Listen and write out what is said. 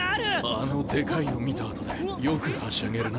あのデカいの見た後でよくはしゃげるな。